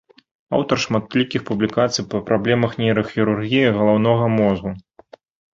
Аўтар шматлікіх публікацый па праблемах нейрахірургіі галаўнога мозгу.